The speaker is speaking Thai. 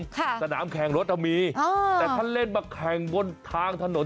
สนามแข่งรถอ่ะมีอ๋อแต่ถ้าเล่นมาแข่งบนทางถนน